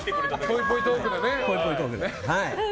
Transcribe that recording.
ぽいぽいトークでね。